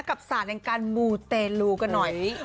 กับศาลงการหมู่เตลูกันหน่อย